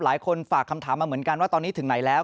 หลายคนฝากคำถามมาเหมือนกันว่าตอนนี้ถึงไหนแล้ว